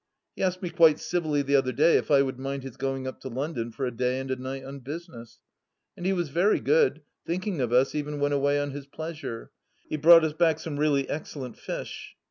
He asked me quite civilly the other day if I would mind his going up to London for a day and a night on business. And he was very good, thinking of us, even when away on his pleasure ; he brought us back some really excellent fish.